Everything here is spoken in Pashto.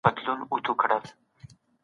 د رسا صاحب یو بیت مي په کتابچه کي لیکلی و.